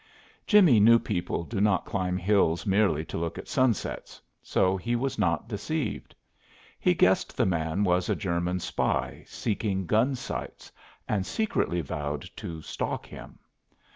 Jimmie knew people do not climb hills merely to look at sunsets, so he was not deceived. He guessed the man was a German spy seeking gun sites, and secretly vowed to "stalk" him.